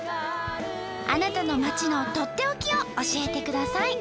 あなたの町のとっておきを教えてください。